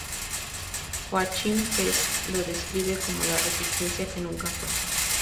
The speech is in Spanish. Joachim Fest lo describe como "la resistencia que nunca fue".